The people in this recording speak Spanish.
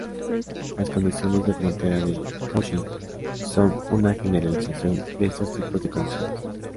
Las condiciones de frontera de Cauchy son una generalización de estos tipos de condiciones.